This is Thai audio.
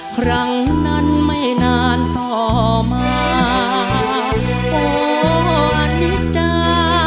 ครั้งนั้นไม่นานต่อมาโอ้อาทิตย์จ้า